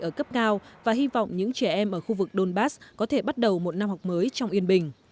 ở cấp cao và hy vọng những trẻ em ở khu vực donbass có thể bắt đầu một năm học mới trong yên bình